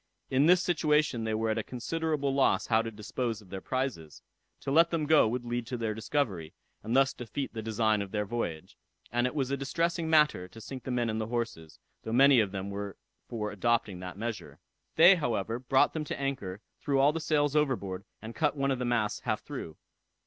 In this situation they were at a considerable loss how to dispose of their prizes. To let them go would lead to their discovery, and thus defeat the design of their voyage; and it was a distressing matter to sink the men and the horses, though many of them were for adopting that measure. They, however, brought them to anchor, threw all the sails overboard, and cut one of the masts half through.